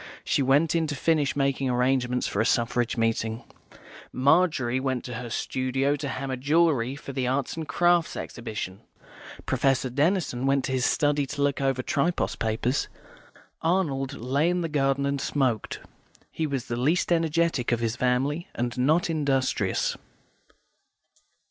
She went in to finish making arrangements for a Suffrage meeting. Margery went to her studio to hammer jewellery for the Arts and Crafts Exhibition. Professor Denison went to his study to look over Tripos papers. Arnold lay in the garden and smoked. He was the least energetic of his family, and not industrious.